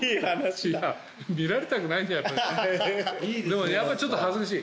でもやっぱりちょっと恥ずかしい。